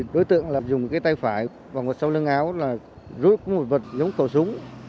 cùng tay phải và ngọt sau lưng áo là rút một vật giống khẩu súng